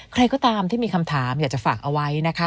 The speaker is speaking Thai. ใครก็ตามที่มีคำถามอยากจะฝากเอาไว้นะคะ